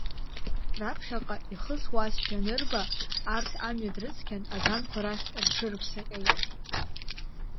Раԥхьаҟа ихысуазшәа анырба, арҭ амҩа дрыцқьан, аганқәа рахь рҽырыԥсаҟьеит.